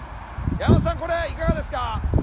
山本さんこれいかがですか？